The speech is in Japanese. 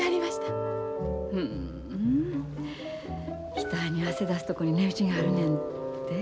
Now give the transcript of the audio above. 額に汗出すとこに値打ちがあるねんて？